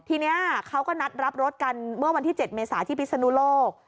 ทีนี้เขาก็นัดรับรถกันเมื่อวันที่๗เมษาที่พิศนุโลก